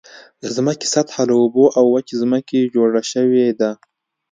د ځمکې سطحه له اوبو او وچې ځمکې جوړ شوې ده.